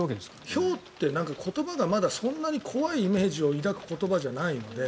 ひょうって言葉がまだそんなに怖いイメージを抱く言葉じゃないので。